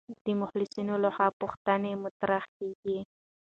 د محصلینو لخوا پوښتنې مطرح کېږي.